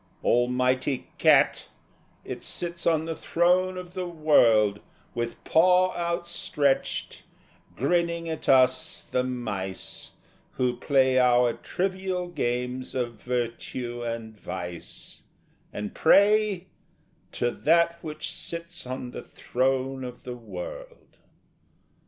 Almighty Cat, it sits on the Throne of the World, With paw outstretched, grinning at us, the mice, Who play our trivial games of virtue and vice, And pray to That which sits on the Throne of the World!